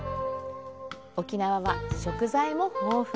沖縄は食材も豊富。